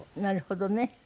なるほどね。